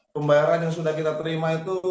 pembaharan yang sudah kita terima itu